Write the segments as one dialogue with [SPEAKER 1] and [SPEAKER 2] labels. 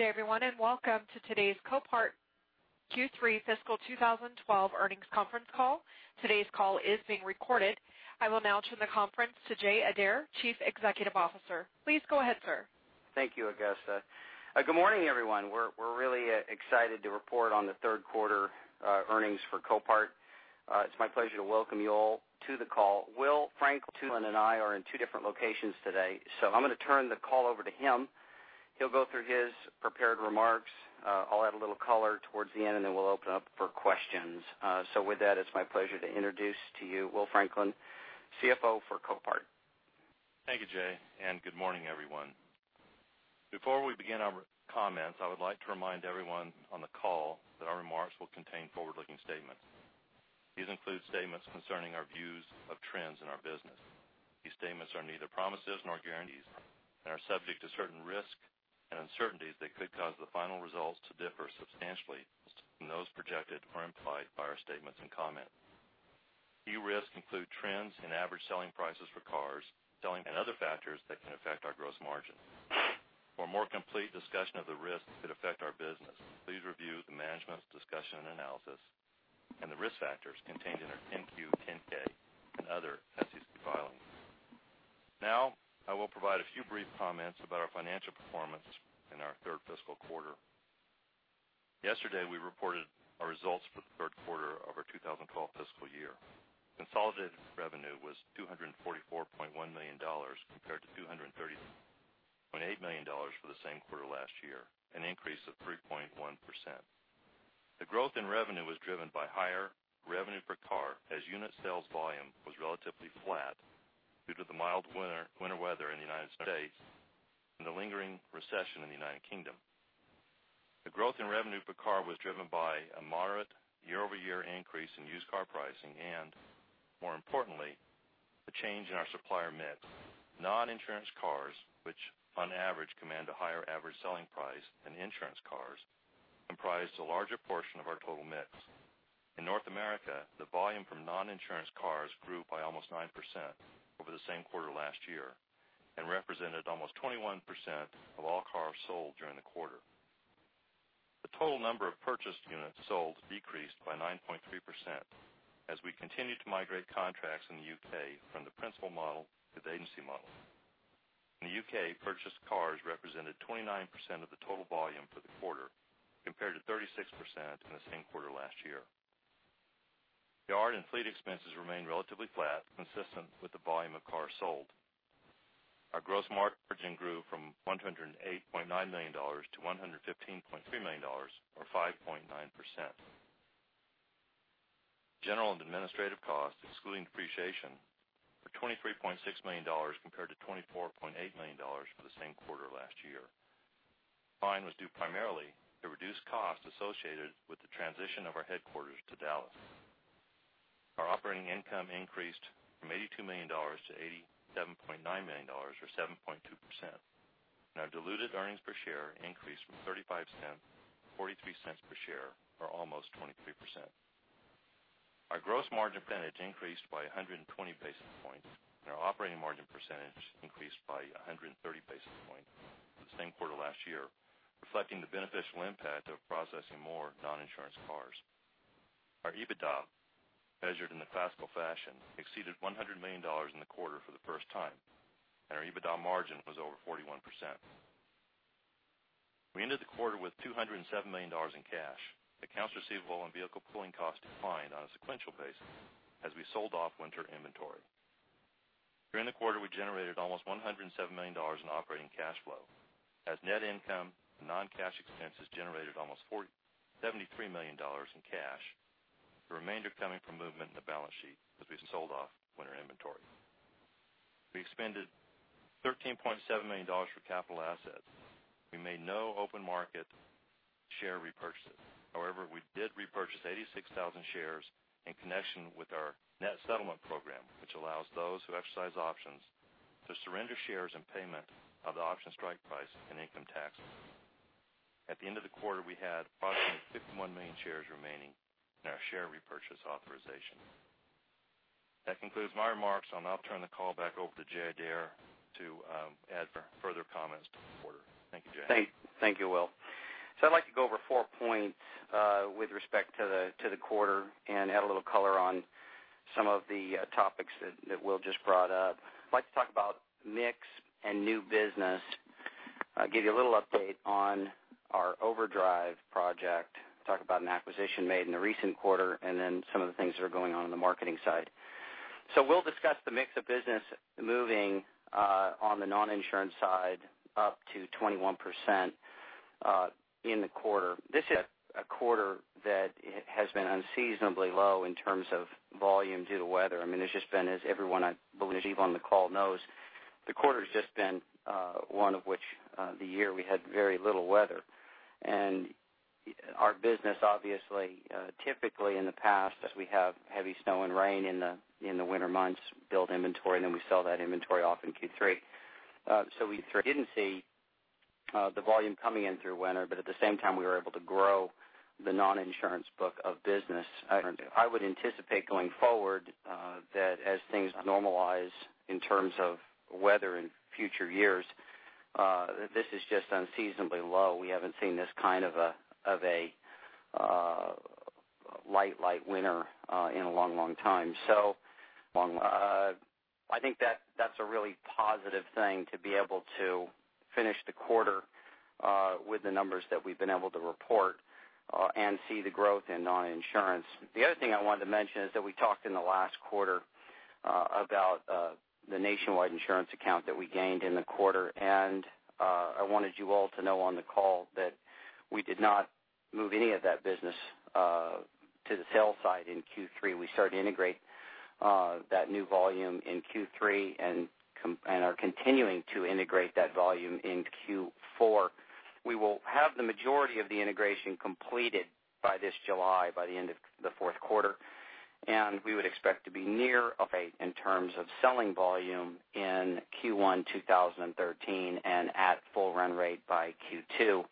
[SPEAKER 1] Good day, everyone, and welcome to today's Copart Q3 fiscal 2012 earnings conference call. Today's call is being recorded. I will now turn the conference to Jay Adair, Chief Executive Officer. Please go ahead, sir.
[SPEAKER 2] Thank you, Augusta. Good morning, everyone. We're really excited to report on the third quarter earnings for Copart. It's my pleasure to welcome you all to the call. Will Franklin and I are in two different locations today, so I'm going to turn the call over to him. He'll go through his prepared remarks. I'll add a little color towards the end, and then we'll open up for questions. With that, it's my pleasure to introduce to you Will Franklin, CFO for Copart.
[SPEAKER 3] Thank you, Jay, and good morning, everyone. Before we begin our comments, I would like to remind everyone on the call that our remarks will contain forward-looking statements. These include statements concerning our views of trends in our business. These statements are neither promises nor guarantees and are subject to certain risks and uncertainties that could cause the final results to differ substantially from those projected or implied by our statements and comments. These risks include trends in average selling prices for cars, selling, and other factors that can affect our gross margin. For a more complete discussion of the risks that affect our business, please review the management's discussion and analysis and the risk factors contained in our 10-Q, 10-K, and other SEC filings. Now, I will provide a few brief comments about our financial performance in our third fiscal quarter. Yesterday, we reported our results for the third quarter of our 2012 fiscal year. Consolidated revenue was $244.1 million, compared to $230.8 million for the same quarter last year, an increase of 3.1%. The growth in revenue was driven by higher revenue per car as unit sales volume was relatively flat due to the mild winter weather in the United States and the lingering recession in the United Kingdom. The growth in revenue per car was driven by a moderate year-over-year increase in used car pricing and, more importantly, the change in our supplier mix. Non-insurance cars, which on average command a higher average selling price than insurance cars, comprised a larger portion of our total mix. In North America, the volume from non-insurance cars grew by almost 9% over the same quarter last year and represented almost 21% of all cars sold during the quarter. The total number of purchased units sold decreased by 9.3% as we continued to migrate contracts in the U.K. from the principal model to the agency model. In the U.K., purchased cars represented 29% of the total volume for the quarter, compared to 36% in the same quarter last year. Yard and fleet expenses remained relatively flat, consistent with the volume of cars sold. Our gross margin grew from $108.9 million to $115.3 million, or 5.9%. General and Administrative costs, excluding depreciation, were $23.6 million compared to $24.8 million for the same quarter last year. Decline was due primarily to reduced costs associated with the transition of our headquarters to Dallas. Our operating income increased from $82 million to $87.9 million, or 7.2%. Our diluted earnings per share increased from $0.35 to $0.43 per share, or almost 23%. Our gross margin percentage increased by 120 basis points, and our operating margin percentage increased by 130 basis points from the same quarter last year, reflecting the beneficial impact of processing more non-insurance cars. Our EBITDA, measured in the classical fashion, exceeded $100 million in the quarter for the first time, and our EBITDA margin was over 41%. We ended the quarter with $207 million in cash. Accounts receivable and vehicle pulling costs declined on a sequential basis as we sold off winter inventory. During the quarter, we generated almost $107 million in operating cash flow. As net income and non-cash expenses generated almost $73 million in cash, the remainder coming from movement in the balance sheet as we sold off winter inventory. We expended $13.7 million for capital assets. We made no open market share repurchases. However, we did repurchase 86,000 shares in connection with our net settlement program, which allows those who exercise options to surrender shares and payment of the option strike price and income tax. At the end of the quarter, we had approximately 51 million shares remaining in our share repurchase authorization. That concludes my remarks, and I'll now turn the call back over to Jay Adair to add further comments to the quarter. Thank you, Jay.
[SPEAKER 2] Thank you, Will. I'd like to go over four points with respect to the quarter and add a little color on some of the topics that Will just brought up. I'd like to talk about mix and new business, give you a little update on our Project Overdrive, talk about an acquisition made in the recent quarter, and then some of the things that are going on in the marketing side. Will discussed the mix of business moving on the non-insurance side up to 21% in the quarter. This is a quarter that has been unseasonably low in terms of volume due to weather. It's just been, as everyone I believe on the call knows, the quarter's just been one of which the year we had very little weather. Our business obviously, typically in the past, as we have heavy snow and rain in the winter months, build inventory. We sell that inventory off in Q3. We didn't see the volume coming in through winter, but at the same time, we were able to grow the non-insurance book of business. I would anticipate going forward that as things normalize in terms of weather in future years, this is just unseasonably low. We haven't seen this kind of a light winter in a long time. I think that's a really positive thing to be able to finish the quarter with the numbers that we've been able to report and see the growth in non-insurance. The other thing I wanted to mention is that we talked in the last quarter about the Nationwide insurance account that we gained in the quarter. I wanted you all to know on the call that we did not move any of that business to the sales side in Q3. We started to integrate that new volume in Q3 and are continuing to integrate that volume in Q4. We will have the majority of the integration completed by this July, by the end of the fourth quarter. We would expect to be near, in terms of selling volume in Q1 2013 and at full run rate by Q2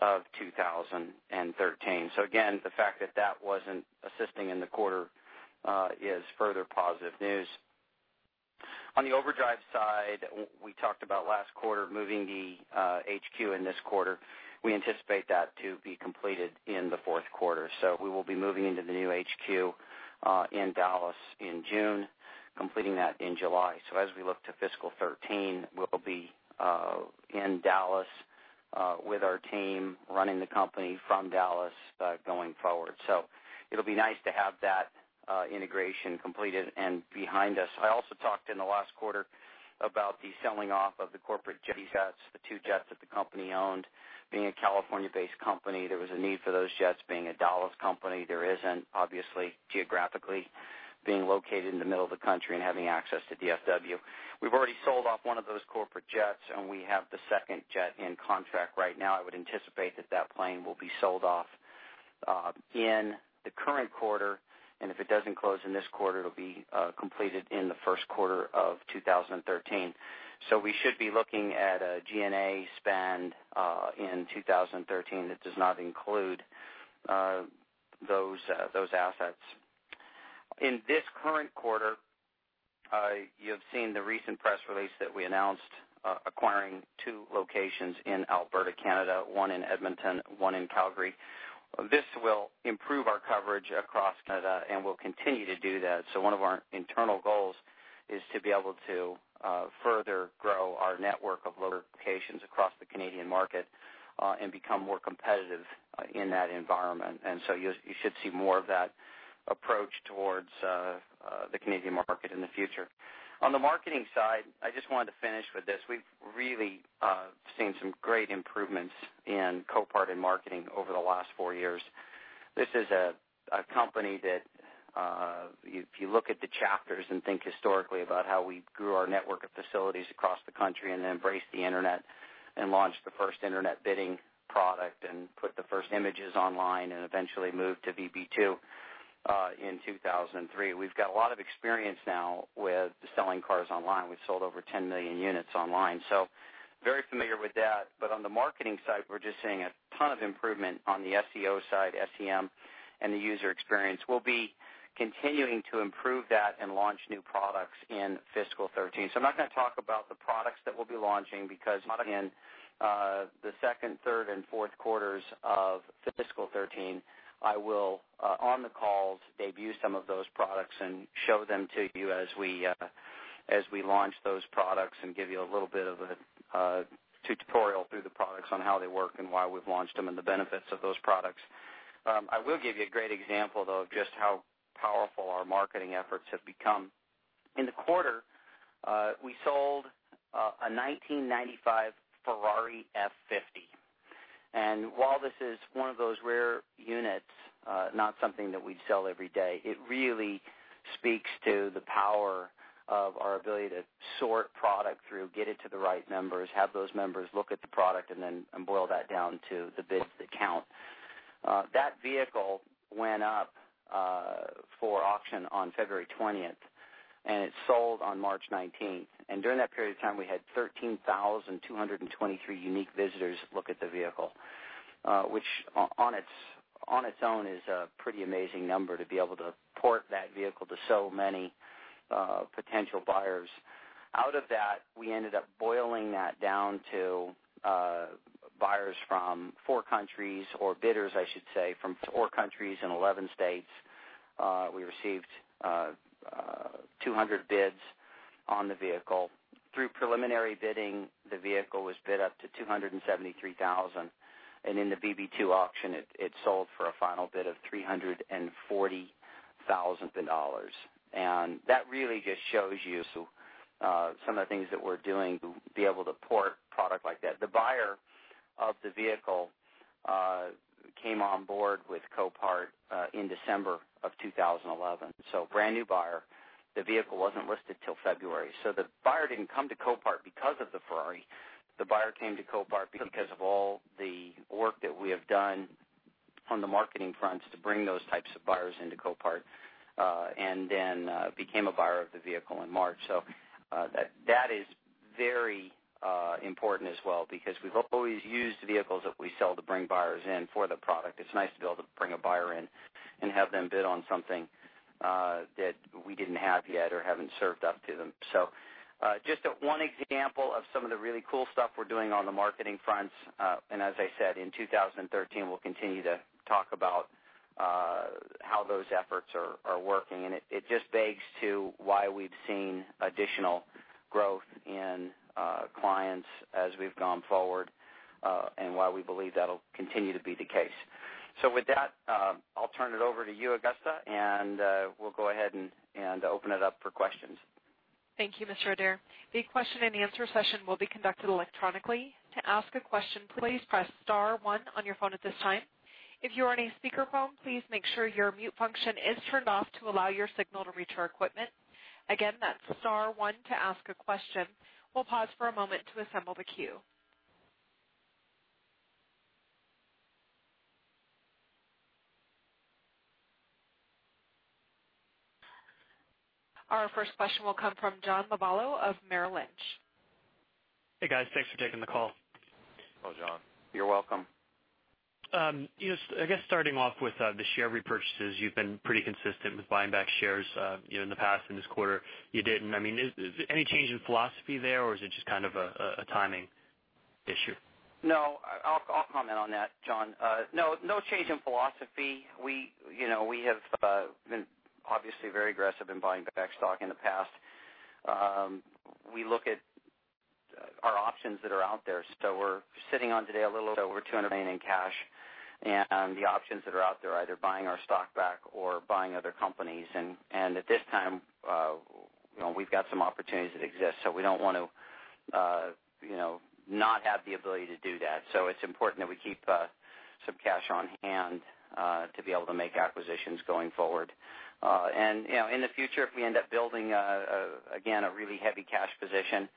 [SPEAKER 2] of 2013. Again, the fact that that wasn't assisting in the quarter is further positive news. On the Overdrive side, we talked about last quarter, moving the HQ in this quarter. We anticipate that to be completed in the fourth quarter. We will be moving into the new HQ in Dallas in June, completing that in July. As we look to fiscal 2013, we'll be in Dallas with our team running the company from Dallas, going forward. It'll be nice to have that integration completed and behind us. I also talked in the last quarter about the selling off of the corporate jets, the two jets that the company owned. Being a California-based company, there was a need for those jets. Being a Dallas company, there isn't, obviously geographically being located in the middle of the country and having access to DFW. We've already sold off one of those corporate jets, and we have the second jet in contract right now. I would anticipate that that plane will be sold off in the current quarter. If it doesn't close in this quarter, it'll be completed in the first quarter of 2013. We should be looking at a G&A spend in 2013 that does not include those assets. In this current quarter, you have seen the recent press release that we announced, acquiring two locations in Alberta, Canada, one in Edmonton, one in Calgary. This will improve our coverage across Canada and will continue to do that. One of our internal goals is to be able to further grow our network of loader locations across the Canadian market and become more competitive in that environment. You should see more of that approach towards the Canadian market in the future. On the marketing side, I just wanted to finish with this. We've really seen some great improvements in Copart in marketing over the last four years. This is a company that, if you look at the chapters and think historically about how we grew our network of facilities across the country and embraced the internet and launched the first internet bidding product and put the first images online, and eventually moved to VB2 in 2003. We've got a lot of experience now with selling cars online. We've sold over 10 million units online, so very familiar with that. On the marketing side, we're just seeing a ton of improvement on the SEO side, SEM, and the user experience. We'll be continuing to improve that and launch new products in fiscal 2013. I'm not going to talk about the products that we'll be launching because in the second, third, and fourth quarters of fiscal 2013, I will, on the calls, debut some of those products and show them to you as we launch those products and give you a little bit of a tutorial through the products on how they work and why we've launched them, and the benefits of those products. I will give you a great example, though, of just how powerful our marketing efforts have become. In the quarter, we sold a 1995 Ferrari F50. While this is one of those rare units, not something that we'd sell every day, it really speaks to the power of our ability to sort product through, get it to the right members, have those members look at the product, and then boil that down to the bids that count. That vehicle went up for auction on February 20th, and it sold on March 19th. During that period of time, we had 13,223 unique visitors look at the vehicle, which on its own is a pretty amazing number to be able to port that vehicle to so many potential buyers. Out of that, we ended up boiling that down to buyers from four countries, or bidders, I should say, from four countries and 11 states. We received 200 bids on the vehicle. Through preliminary bidding, the vehicle was bid up to $273,000, and in the VB2 auction, it sold for a final bid of $340,000. That really just shows you some of the things that we're doing to be able to port product like that. The buyer of the vehicle came on board with Copart in December of 2011. Brand-new buyer. The vehicle wasn't listed till February. The buyer didn't come to Copart because of the Ferrari. The buyer came to Copart because of all the work that we have done on the marketing front to bring those types of buyers into Copart, and then became a buyer of the vehicle in March. That is very important as well, because we've always used the vehicles that we sell to bring buyers in for the product. It's nice to be able to bring a buyer in and have them bid on something that we didn't have yet or haven't served up to them. Just one example of some of the really cool stuff we're doing on the marketing fronts. As I said, in 2013, we'll continue to talk about how those efforts are working, and it just begs to why we've seen additional growth in clients as we've gone forward, and why we believe that'll continue to be the case. With that, I'll turn it over to you, Augusta, and we'll go ahead and open it up for questions.
[SPEAKER 1] Thank you, Mr. Adair. The question and answer session will be conducted electronically. To ask a question, please press star one on your phone at this time. If you are on a speaker phone, please make sure your mute function is turned off to allow your signal to reach our equipment. Again, that's star one to ask a question. We'll pause for a moment to assemble the queue. Our first question will come from John Lovallo of Merrill Lynch.
[SPEAKER 4] Hey, guys. Thanks for taking the call.
[SPEAKER 2] Hello, John. You're welcome.
[SPEAKER 4] I guess starting off with the share repurchases, you've been pretty consistent with buying back shares in the past. In this quarter, you didn't. Any change in philosophy there, or is it just kind of a timing issue?
[SPEAKER 2] No, I'll comment on that, John. No change in philosophy. We have been obviously very aggressive in buying back stock in the past. We look at our options that are out there. We're sitting on today a little over $200 million in cash, the options that are out there are either buying our stock back or buying other companies. At this time, we've got some opportunities that exist. We don't want to not have the ability to do that. It's important that we keep some cash on hand to be able to make acquisitions going forward. In the future, if we end up building, again, a really heavy cash position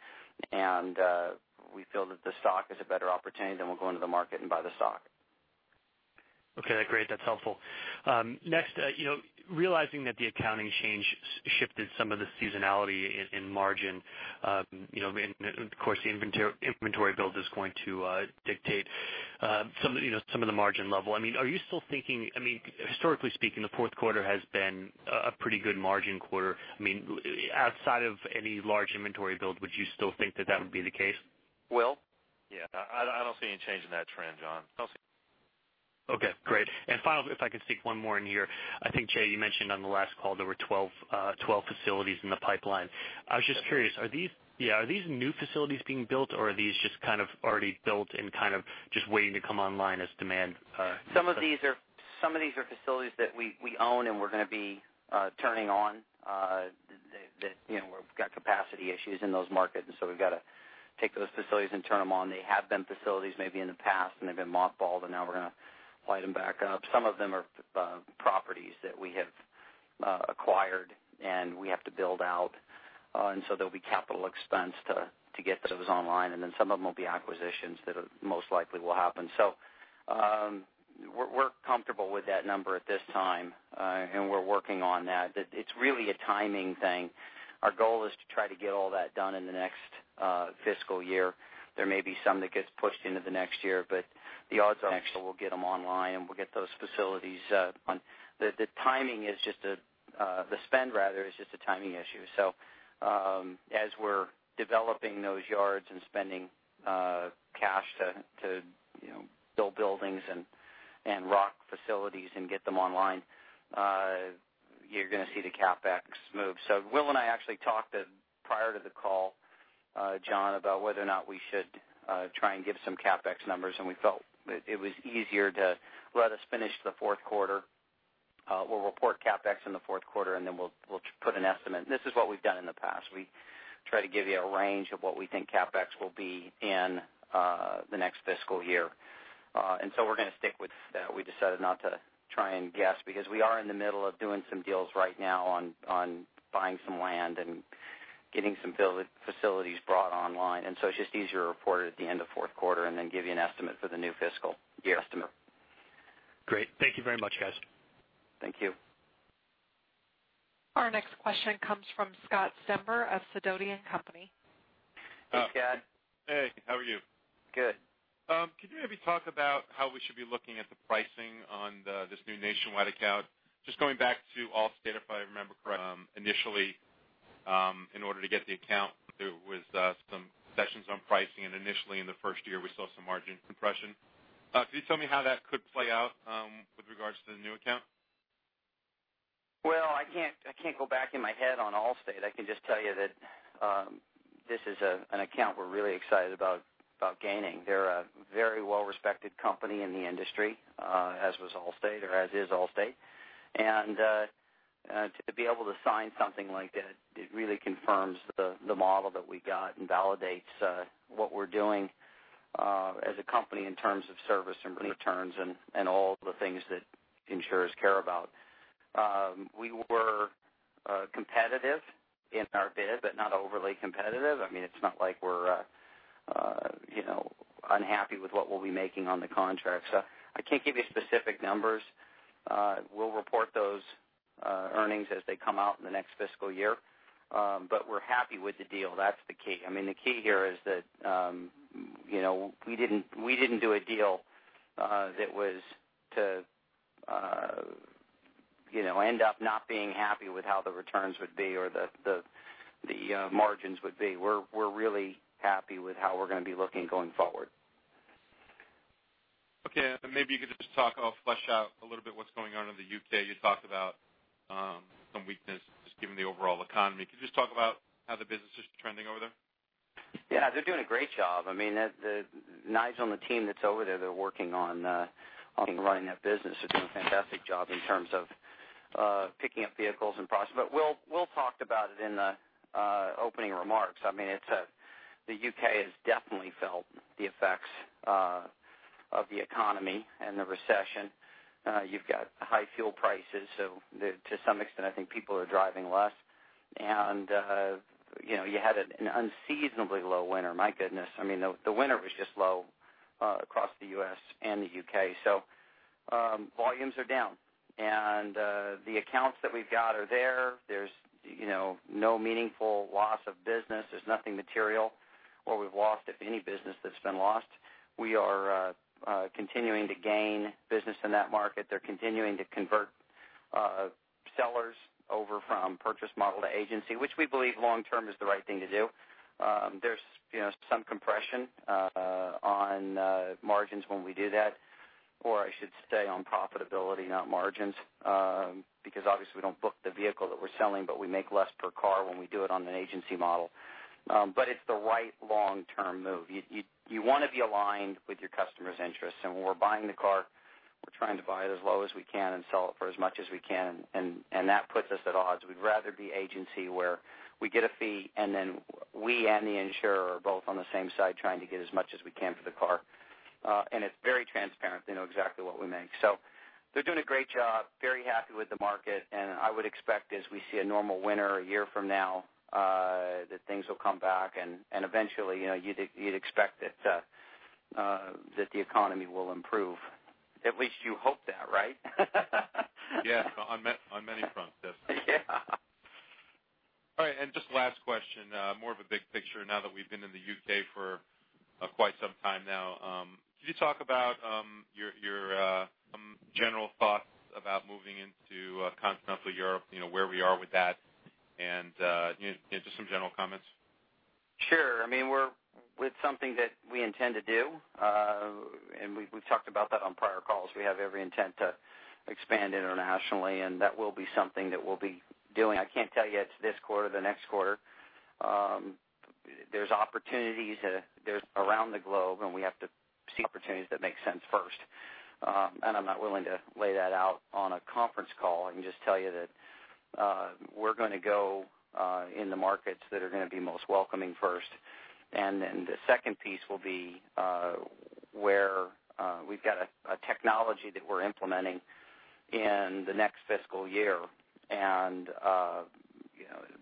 [SPEAKER 2] and we feel that the stock is a better opportunity, then we'll go into the market and buy the stock.
[SPEAKER 4] Okay. Great. That's helpful. Next, realizing that the accounting change shifted some of the seasonality in margin, of course, the inventory build is going to dictate some of the margin level. Historically speaking, the fourth quarter has been a pretty good margin quarter. Outside of any large inventory build, would you still think that that would be the case?
[SPEAKER 2] Will?
[SPEAKER 3] Yeah, I don't see any change in that trend, John.
[SPEAKER 4] Okay, great. Finally, if I can sneak 1 more in here. Jay, you mentioned on the last call there were 12 facilities in the pipeline. I was just curious, are these new facilities being built, or are these just already built and just waiting to come online?
[SPEAKER 2] Some of these are facilities that we own, and we're going to be turning on, that we've got capacity issues in those markets. We've got to take those facilities and turn them on. They have been facilities maybe in the past, and they've been mothballed, and now we're going to light them back up. Some of them are properties that we have acquired, and we have to build out. There'll be capital expense to get those online, and then some of them will be acquisitions that most likely will happen. We're comfortable with that number at this time. We're working on that. It's really a timing thing. Our goal is to try to get all that done in the next fiscal year. There may be some that gets pushed into the next year, but the odds are we'll get them online, and we'll get those facilities up. The spend is just a timing issue. As we're developing those yards and spending cash to build buildings and rock facilities and get them online, you're going to see the CapEx move. Will and I actually talked prior to the call, John, about whether or not we should try and give some CapEx numbers, and we felt it was easier to let us finish the fourth quarter. We'll report CapEx in the fourth quarter, and then we'll put an estimate. This is what we've done in the past. We try to give you a range of what we think CapEx will be in the next fiscal year. We're going to stick with that. We decided not to try and guess, because we are in the middle of doing some deals right now on buying some land and getting some facilities brought online. It's just easier to report it at the end of fourth quarter and then give you an estimate for the new fiscal year.
[SPEAKER 4] Great. Thank you very much, guys.
[SPEAKER 2] Thank you.
[SPEAKER 1] Our next question comes from Scott Stember of Sidoti & Company.
[SPEAKER 2] Hey, Scott.
[SPEAKER 5] Hey, how are you?
[SPEAKER 2] Good.
[SPEAKER 5] Could you maybe talk about how we should be looking at the pricing on this new nationwide account? Just going back to Allstate, if I remember correctly, initially, in order to get the account, there was some sessions on pricing, and initially in the first year, we saw some margin compression. Could you tell me how that could play out with regards to the new account?
[SPEAKER 2] Well, I can't go back in my head on Allstate. I can just tell you that this is an account we're really excited about gaining. They're a very well-respected company in the industry, as was Allstate, or as is Allstate, and to be able to sign something like that, it really confirms the model that we got and validates what we're doing as a company in terms of service and returns and all the things that insurers care about. We were competitive in our bid, but not overly competitive. It's not like we're. I can't give you specific numbers. We'll report those earnings as they come out in the next fiscal year. We're happy with the deal. That's the key. The key here is that we didn't do a deal that was to end up not being happy with how the returns would be or the margins would be. We're really happy with how we're going to be looking going forward.
[SPEAKER 5] Okay. Maybe you could just talk, or flesh out a little bit what's going on in the U.K. You talked about some weakness, just given the overall economy. Could you just talk about how the business is trending over there?
[SPEAKER 2] Yeah, they're doing a great job. Nigel and the team that's over there, they're working on running that business are doing a fantastic job in terms of picking up vehicles and process. Will talked about it in the opening remarks. The U.K. has definitely felt the effects of the economy and the recession. You've got high fuel prices, so to some extent, I think people are driving less. You had an unseasonably low winter. My goodness. The winter was just low across the U.S. and the U.K. Volumes are down, and the accounts that we've got are there. There's no meaningful loss of business. There's nothing material where we've lost, if any business that's been lost. We are continuing to gain business in that market. They're continuing to convert sellers over from purchase model to agency, which we believe long term is the right thing to do. There's some compression on margins when we do that, or I should say on profitability, not margins, because obviously we don't book the vehicle that we're selling, but we make less per car when we do it on an agency model. It's the right long-term move. You want to be aligned with your customers' interests, when we're buying the car, we're trying to buy it as low as we can and sell it for as much as we can, and that puts us at odds. We'd rather be agency, where we get a fee, then we and the insurer are both on the same side trying to get as much as we can for the car. It's very transparent. They know exactly what we make. They're doing a great job, very happy with the market, and I would expect as we see a normal winter a year from now, that things will come back, eventually, you'd expect that the economy will improve. At least you hope that, right?
[SPEAKER 5] Yeah. On many fronts, yes.
[SPEAKER 2] Yeah.
[SPEAKER 5] All right, just the last question, more of a big picture now that we've been in the U.K. for quite some time now. Could you talk about your general thoughts about moving into continental Europe, where we are with that, and just some general comments?
[SPEAKER 2] Sure. It's something that we intend to do. We've talked about that on prior calls. We have every intent to expand internationally. That will be something that we'll be doing. I can't tell you it's this quarter, the next quarter. There's opportunities around the globe. We have to see opportunities that make sense first. I'm not willing to lay that out on a conference call. I can just tell you that we're going to go in the markets that are going to be most welcoming first. Then the second piece will be where we've got a technology that we're implementing in the next fiscal year.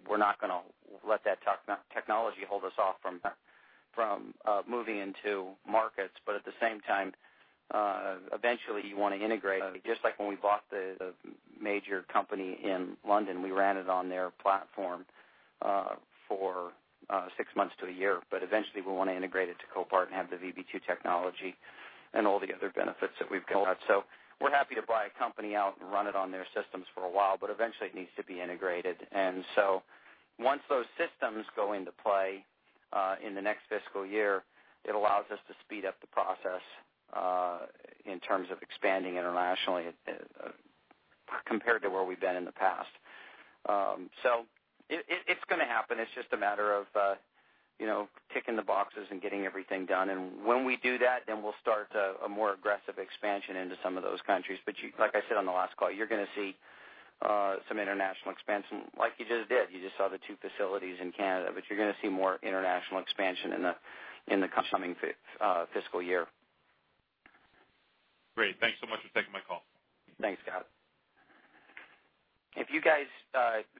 [SPEAKER 2] We're not going to let that technology hold us off from moving into markets. At the same time, eventually, you want to integrate. Just like when we bought the major company in London, we ran it on their platform for six months to a year. Eventually, we want to integrate it to Copart and have the VB2 technology and all the other benefits that we've got. We're happy to buy a company out and run it on their systems for a while. Eventually it needs to be integrated. Once those systems go into play in the next fiscal year, it allows us to speed up the process in terms of expanding internationally compared to where we've been in the past. It's going to happen. It's just a matter of ticking the boxes and getting everything done. When we do that, then we'll start a more aggressive expansion into some of those countries. Like I said on the last call, you're going to see some international expansion, like you just did. You just saw the two facilities in Canada, but you're going to see more international expansion in the coming fiscal year.
[SPEAKER 5] Great. Thanks so much for taking my call.
[SPEAKER 2] Thanks, Scott. If you guys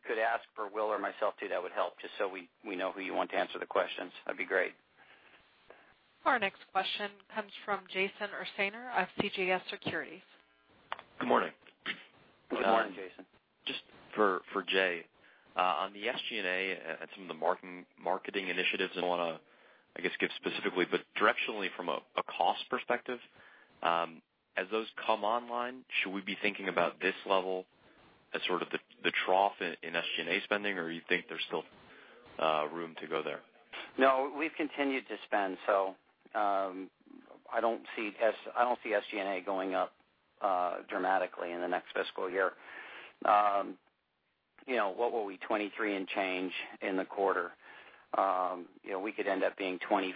[SPEAKER 2] could ask for Will or myself too, that would help, just so we know who you want to answer the questions. That'd be great.
[SPEAKER 1] Our next question comes from Jason Ursaner of CJS Securities.
[SPEAKER 6] Good morning.
[SPEAKER 2] Good morning, Jason.
[SPEAKER 6] Just for Jay. On the SG&A and some of the marketing initiatives, I don't want to give specifically, but directionally from a cost perspective, as those come online, should we be thinking about this level as sort of the trough in SG&A spending, or you think there's still room to go there?
[SPEAKER 2] No, we've continued to spend. I don't see SG&A going up dramatically in the next fiscal year. What were we, $23 and change in the quarter? We could end up being $25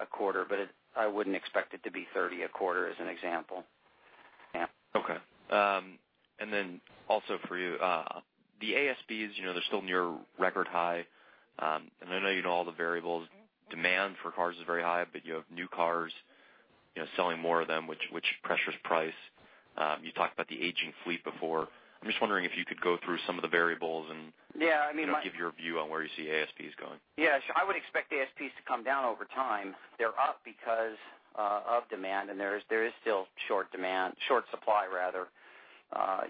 [SPEAKER 2] a quarter, but I wouldn't expect it to be $30 a quarter as an example. Yeah.
[SPEAKER 6] Okay. Also for you, the ASPs, they're still near record high. I know you know all the variables. Demand for cars is very high, you have new cars, selling more of them, which pressures price. You talked about the aging fleet before. I'm just wondering if you could go through some of the variables and-
[SPEAKER 2] Yeah, I mean my-
[SPEAKER 6] Give your view on where you see ASPs going.
[SPEAKER 2] Yeah. I would expect ASPs to come down over time. They're up because of demand, there is still short demand, short supply rather.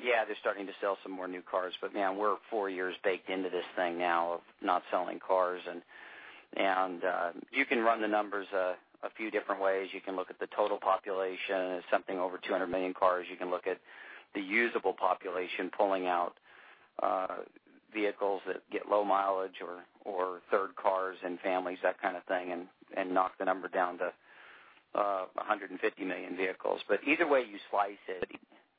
[SPEAKER 2] Yeah, they're starting to sell some more new cars. Man, we're four years baked into this thing now of not selling cars, you can run the numbers a few different ways. You can look at the total population. It's something over 200 million cars. You can look at the usable population pulling out vehicles that get low mileage or third cars and families, that kind of thing, and knock the number down to 150 million vehicles. Either way you slice it,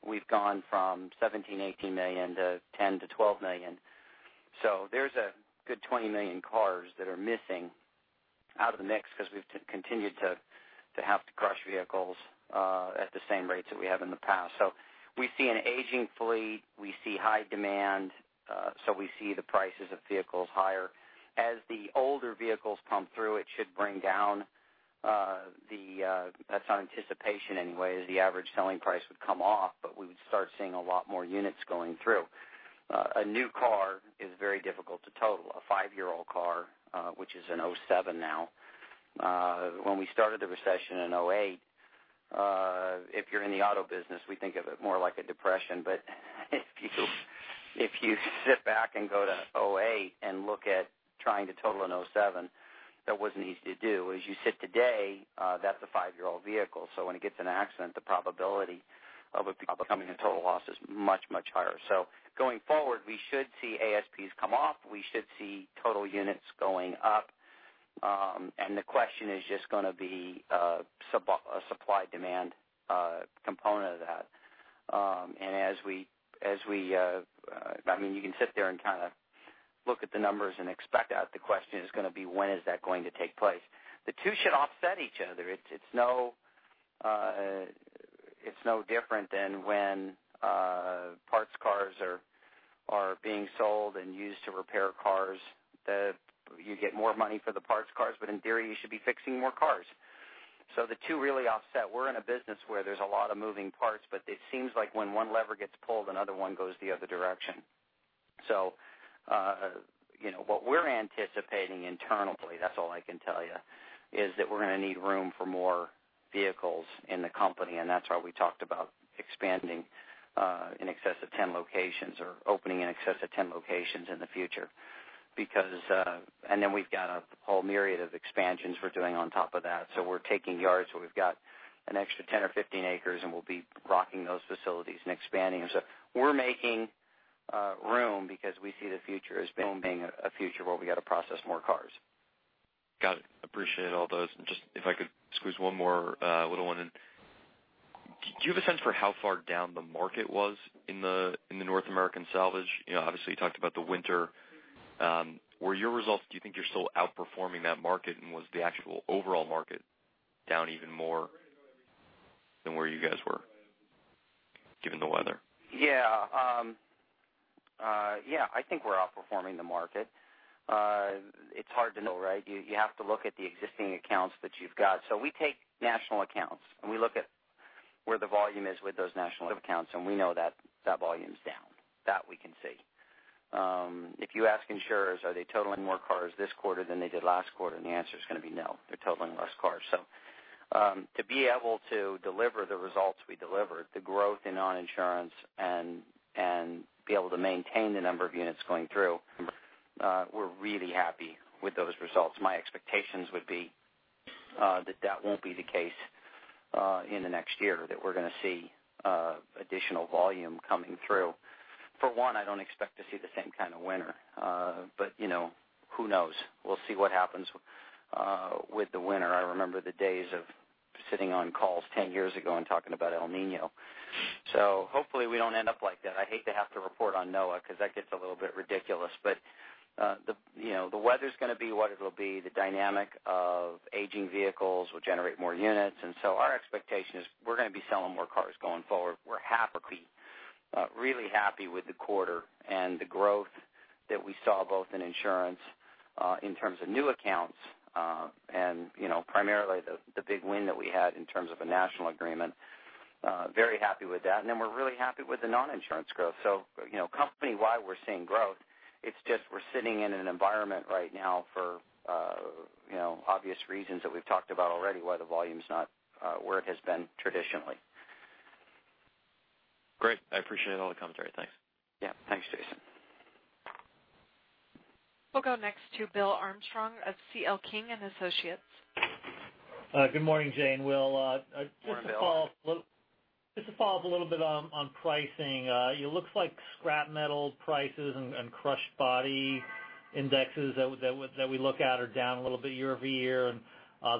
[SPEAKER 2] we've gone from 17, 18 million to 10 to 12 million. There's a good 20 million cars that are missing out of the mix because we've continued to have to crush vehicles at the same rates that we have in the past. We see an aging fleet, we see high demand, we see the prices of vehicles higher. As the older vehicles come through, it should bring down. That's our anticipation anyway, is the average selling price would come off, but we would start seeing a lot more units going through. A new car is very difficult to total. A 5-year-old car, which is an '07 now. When we started the recession in '08, if you're in the auto business, we think of it more like a depression. If you sit back and go to '08 and look at trying to total an '07, that wasn't easy to do. As you sit today, that's a 5-year-old vehicle, when it gets in an accident, the probability of it becoming a total loss is much, much higher. Going forward, we should see ASPs come off. We should see total units going up. The question is just going to be a supply-demand component of that. You can sit there and kind of look at the numbers and expect that the question is going to be when is that going to take place? The two should offset each other. It's no different than when parts cars are being sold and used to repair cars. You get more money for the parts cars, but in theory, you should be fixing more cars. The two really offset. We're in a business where there's a lot of moving parts, it seems like when one lever gets pulled, another one goes the other direction. What we're anticipating internally, that's all I can tell you, is that we're going to need room for more vehicles in the company, and that's why we talked about expanding in excess of 10 locations or opening in excess of 10 locations in the future. We've got a whole myriad of expansions we're doing on top of that. We're taking yards where we've got an extra 10 or 15 acres, and we'll be rocking those facilities and expanding them. We're making room because we see the future as being a future where we got to process more cars.
[SPEAKER 6] Got it. Appreciate all those. Just if I could squeeze one more little one in. Do you have a sense for how far down the market was in the North American salvage? Obviously, you talked about the winter. Were your results, do you think you're still outperforming that market, and was the actual overall market down even more than where you guys were, given the weather?
[SPEAKER 2] Yeah. I think we're outperforming the market. It's hard to know, right? You have to look at the existing accounts that you've got. We take national accounts, and we look at where the volume is with those national accounts, and we know that that volume's down. That we can see. If you ask insurers, are they totaling more cars this quarter than they did last quarter? The answer is going to be no. They're totaling less cars. To be able to deliver the results we delivered, the growth in non-insurance and be able to maintain the number of units going through, we're really happy with those results. My expectations would be that that won't be the case in the next year, that we're going to see additional volume coming through. For one, I don't expect to see the same kind of winter. Who knows? We'll see what happens with the winter. I remember the days of sitting on calls 10 years ago and talking about El Niño. Hopefully we don't end up like that. I hate to have to report on NOAA because that gets a little bit ridiculous. The weather's going to be what it'll be. The dynamic of aging vehicles will generate more units. Our expectation is we're going to be selling more cars going forward. We're happy, really happy with the quarter and the growth that we saw both in insurance in terms of new accounts and primarily the big win that we had in terms of a national agreement. Very happy with that. We're really happy with the non-insurance growth. Company-wide, we're seeing growth. It's just we're sitting in an environment right now for obvious reasons that we've talked about already, why the volume's not where it has been traditionally.
[SPEAKER 6] Great. I appreciate all the commentary. Thanks.
[SPEAKER 2] Yeah. Thanks, Jason.
[SPEAKER 1] We'll go next to Bill Armstrong of C.L. King & Associates.
[SPEAKER 7] Good morning, Jay. Bill.
[SPEAKER 2] Good morning, Bill.
[SPEAKER 7] Just to follow up a little bit on pricing. It looks like scrap metal prices and crushed body indexes that we look at are down a little bit year-over-year, and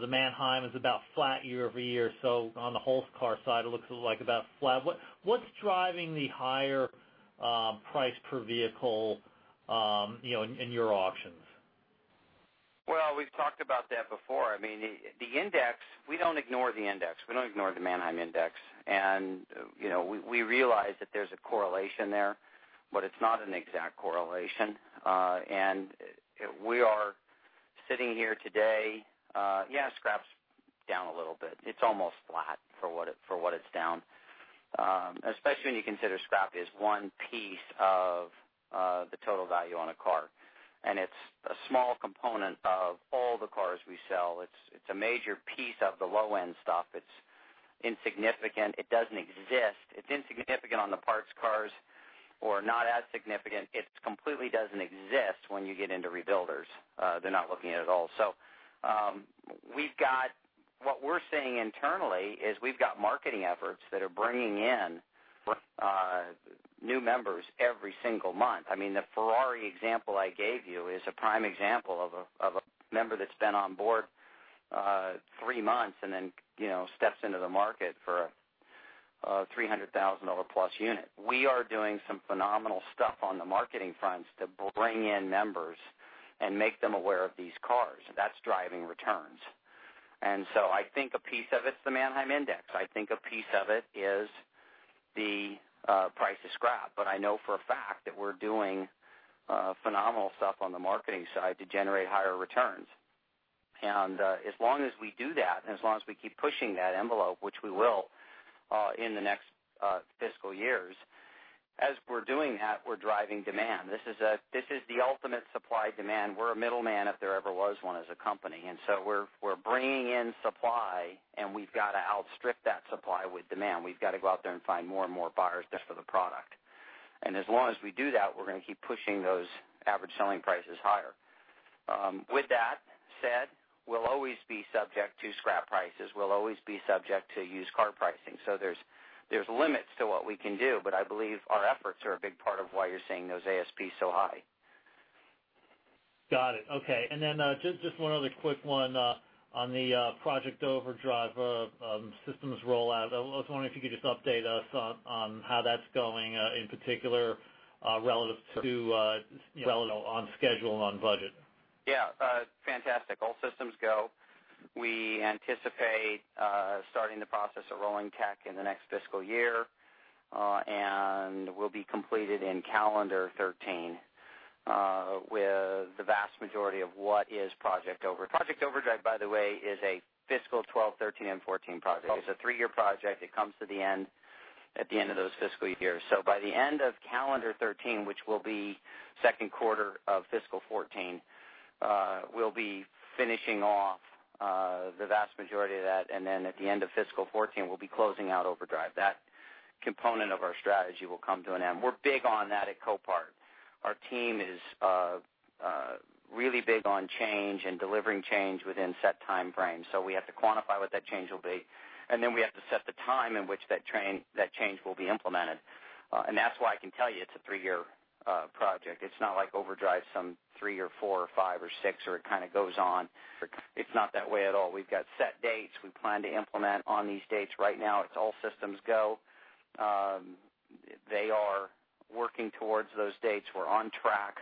[SPEAKER 7] the Manheim is about flat year-over-year. On the whole car side, it looks like about flat. What's driving the higher price per vehicle in your auctions?
[SPEAKER 2] We've talked about that before. We don't ignore the index. We don't ignore the Manheim index. We realize that there's a correlation there, but it's not an exact correlation. We are sitting here today. Scrap's down a little bit. It's almost flat for what it's down. Especially when you consider scrap is one piece of the total value on a car, and it's a small component of all the cars we sell. It's a major piece of the low-end stuff. It's insignificant. It doesn't exist. It's insignificant on the parts cars, or not as significant. It completely doesn't exist when you get into rebuilders. They're not looking at it at all. What we're saying internally is we've got marketing efforts that are bringing in new members every single month. The Ferrari example I gave you is a prime example of a member that's been on board three months and then steps into the market for a $300,000 plus unit. We are doing some phenomenal stuff on the marketing fronts to bring in members and make them aware of these cars. That's driving returns. I think a piece of it's the Manheim index. I think a piece of it is the price of scrap. I know for a fact that we're doing phenomenal stuff on the marketing side to generate higher returns. As long as we do that, and as long as we keep pushing that envelope, which we will in the next fiscal years, as we're doing that, we're driving demand. This is the ultimate supply-demand. We're a middleman if there ever was one as a company. We're bringing in supply, and we've got to outstrip that supply with demand. We've got to go out there and find more and more buyers just for the product. As long as we do that, we're going to keep pushing those average selling prices higher. With that said, we'll always be subject to scrap prices. We'll always be subject to used car pricing. There's limits to what we can do, but I believe our efforts are a big part of why you're seeing those ASPs so high.
[SPEAKER 7] Got it. Okay. Just one other quick one on the Project Overdrive systems rollout. I was wondering if you could just update us on how that's going, in particular, relative to on schedule and on budget.
[SPEAKER 2] Yeah. Fantastic. All systems go. We anticipate starting the process of rolling tech in the next fiscal year, and will be completed in calendar 2013, with the vast majority of what is Project Overdrive. Project Overdrive, by the way, is a fiscal 2012, 2013, and 2014 project. It's a three-year project. It comes to the end at the end of those fiscal years. By the end of calendar 2013, which will be second quarter of fiscal 2014, we'll be finishing off the vast majority of that, and then at the end of fiscal 2014, we'll be closing out Overdrive. That component of our strategy will come to an end. We're big on that at Copart. Our team is really big on change and delivering change within set time frames. We have to quantify what that change will be, and then we have to set the time in which that change will be implemented. That's why I can tell you it's a three-year project. It's not like Overdrive's some three or four or five or six, or it kind of goes on. It's not that way at all. We've got set dates. We plan to implement on these dates. Right now, it's all systems go. They are working towards those dates. We're on track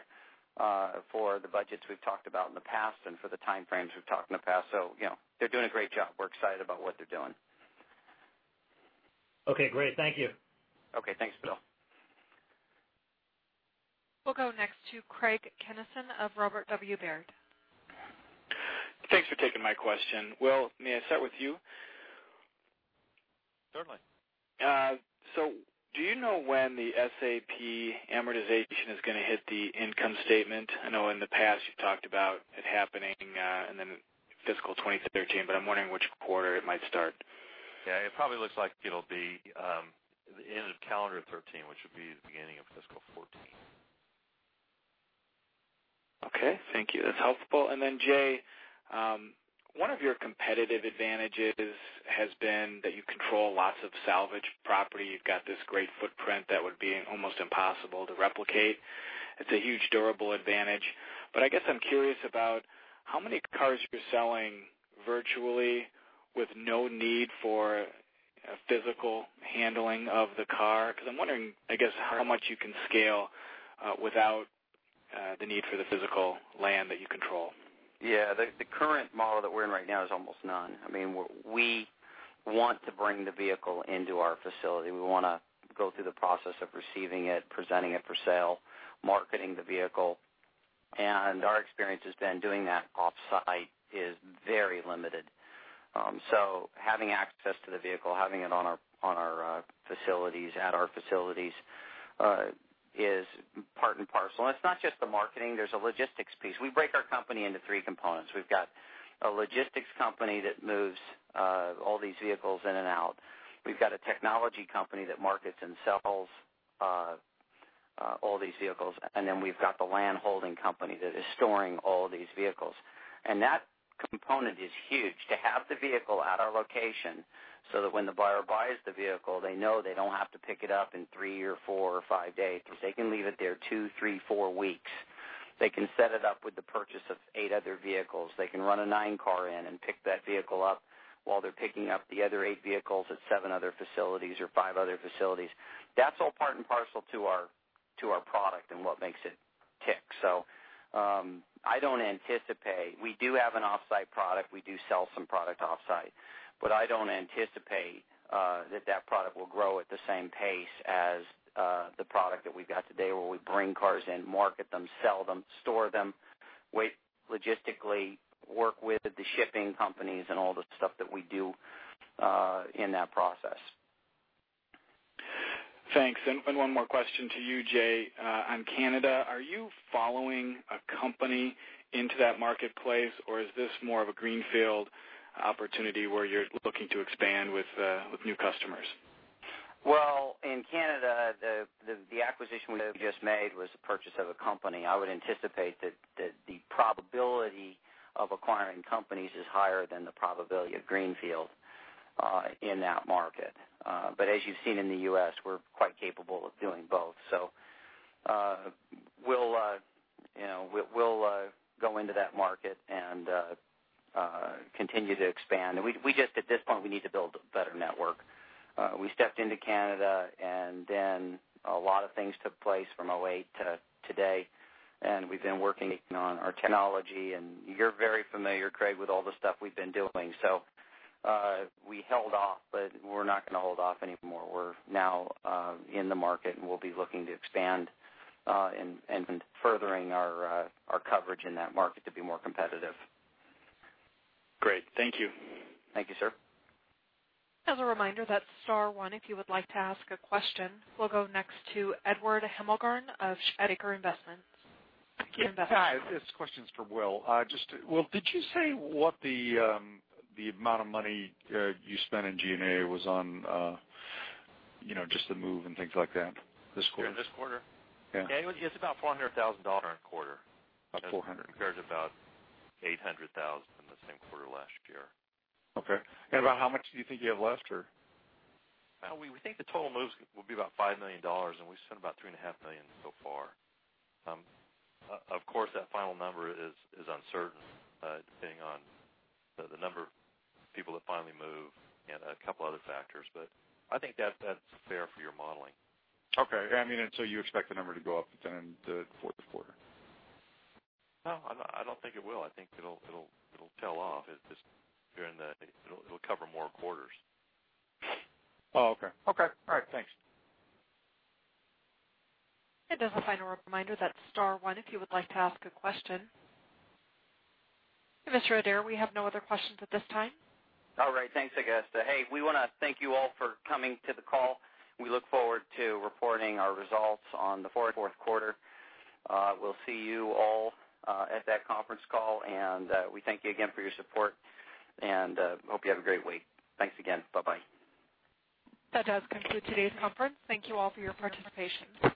[SPEAKER 2] for the budgets we've talked about in the past and for the time frames we've talked in the past. They're doing a great job. We're excited about what they're doing.
[SPEAKER 7] Okay, great. Thank you.
[SPEAKER 2] Okay, thanks, Bill.
[SPEAKER 1] We'll go next to Craig Kennison of Robert W. Baird.
[SPEAKER 8] Thanks for taking my question. Will, may I start with you?
[SPEAKER 3] Certainly.
[SPEAKER 8] Do you know when the SAP amortization is going to hit the income statement? I know in the past you've talked about it happening and then fiscal 2013, but I'm wondering which quarter it might start.
[SPEAKER 3] Yeah, it probably looks like it'll be the end of calendar 2013, which would be the beginning of fiscal 2014.
[SPEAKER 8] Okay. Thank you. That's helpful. Jay, one of your competitive advantages has been that you control lots of salvage property. You've got this great footprint that would be almost impossible to replicate. It's a huge durable advantage. I guess I'm curious about how many cars you're selling virtually with no need for physical handling of the car, because I'm wondering, I guess, how much you can scale without the need for the physical land that you control.
[SPEAKER 2] Yeah. The current model that we're in right now is almost none. We want to bring the vehicle into our facility. We want to go through the process of receiving it, presenting it for sale, marketing the vehicle. Our experience has been doing that off-site is very limited. Having access to the vehicle, having it at our facilities is part and parcel. It's not just the marketing, there's a logistics piece. We break our company into 3 components. We've got a logistics company that moves all these vehicles in and out. We've got a technology company that markets and sells all these vehicles. We've got the land holding company that is storing all these vehicles. That component is huge, to have the vehicle at our location so that when the buyer buys the vehicle, they know they don't have to pick it up in three or four or five days because they can leave it there two, three, four weeks. They can set it up with the purchase of eight other vehicles. They can run a nine car in and pick that vehicle up while they're picking up the other eight vehicles at seven other facilities or five other facilities. That's all part and parcel to our product and what makes it tick. I don't anticipate We do have an off-site product. We do sell some product off-site. I don't anticipate that product will grow at the same pace as the product that we've got today, where we bring cars in, market them, sell them, store them, logistically work with the shipping companies, and all the stuff that we do in that process.
[SPEAKER 8] Thanks. One more question to you, Jay, on Canada. Are you following a company into that marketplace, or is this more of a greenfield opportunity where you're looking to expand with new customers?
[SPEAKER 2] Well, in Canada, the acquisition we have just made was the purchase of a company. I would anticipate that the probability of acquiring companies is higher than the probability of greenfield in that market. As you've seen in the U.S., we're quite capable of doing both. We'll go into that market and continue to expand. At this point, we need to build a better network. We stepped into Canada, and then a lot of things took place from 2008 to today, and we've been working on our technology, and you're very familiar, Craig, with all the stuff we've been doing. We held off, but we're not going to hold off anymore. We're now in the market, and we'll be looking to expand and furthering our coverage in that market to be more competitive.
[SPEAKER 8] Great. Thank you.
[SPEAKER 2] Thank you, sir.
[SPEAKER 1] As a reminder, that's star one if you would like to ask a question. We'll go next to Edward Hemmelgarn of Shaker Investments.
[SPEAKER 9] Yeah. This question's for Will. Will, did you say what the amount of money you spent in G&A was on just the move and things like that this quarter?
[SPEAKER 3] During this quarter?
[SPEAKER 9] Yeah.
[SPEAKER 3] Yeah, it was about $400,000 a quarter.
[SPEAKER 9] About $400,000.
[SPEAKER 3] Compares to about $800,000 the same quarter last year.
[SPEAKER 9] Okay. About how much do you think you have left?
[SPEAKER 3] We think the total moves will be about $5 million. We've spent about $3.5 million so far. Of course, that final number is uncertain depending on the number of people that finally move and a couple other factors, but I think that's fair for your modeling.
[SPEAKER 9] Okay. You expect the number to go up then in the fourth quarter?
[SPEAKER 3] No, I don't think it will. I think it'll tail off. It'll cover more quarters.
[SPEAKER 9] Oh, okay. All right. Thanks.
[SPEAKER 1] As a final reminder, that's star one if you would like to ask a question. Mr. Adair, we have no other questions at this time.
[SPEAKER 2] All right. Thanks, Augusta. Hey, we want to thank you all for coming to the call. We look forward to reporting our results on the fourth quarter. We'll see you all at that conference call, and we thank you again for your support, and hope you have a great week. Thanks again. Bye-bye.
[SPEAKER 1] That does conclude today's conference. Thank you all for your participation.